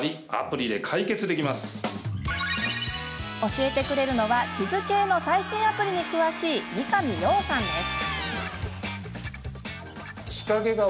教えてくれるのは地図系の最新アプリに詳しい三上洋さんです。